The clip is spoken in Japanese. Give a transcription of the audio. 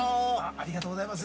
◆ありがとうございます。